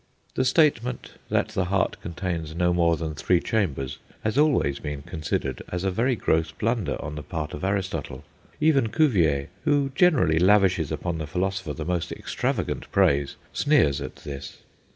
The statement that the heart contains no more than three chambers has always been considered as a very gross blunder on the part of Aristotle. Even Cuvier, who generally lavishes upon the philosopher the most extravagant praise, sneers at this.